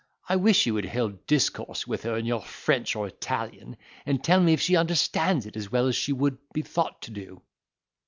I wish you would hold discourse with her in your French or Italian, and tell me if she understands it as well as she would be thought to do.